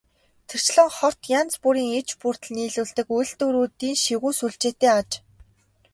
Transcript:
Тэрчлэн хот янз бүрийн иж бүрдэл нийлүүлдэг үйлдвэрүүдийн шигүү сүлжээтэй аж.